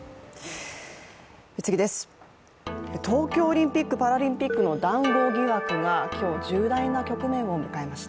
東京オリンピック・パラリンピックの談合疑惑が今日、重大な局面を迎えました。